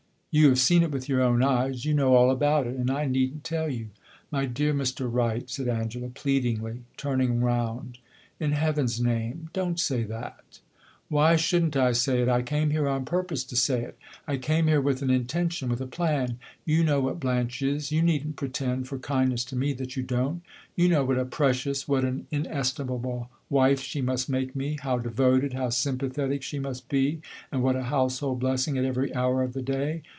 "You have seen it with your own eyes. You know all about it, and I need n't tell you." "My dear Mr. Wright," said Angela, pleadingly, turning round, "in Heaven's name, don't say that!" "Why should n't I say it? I came here on purpose to say it. I came here with an intention with a plan. You know what Blanche is you need n't pretend, for kindness to me, that you don't. You know what a precious, what an inestimable wife she must make me how devoted, how sympathetic she must be, and what a household blessing at every hour of the day.